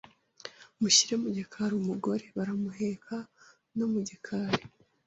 munshyire mu gikari Umugore baramuheka no mu gikari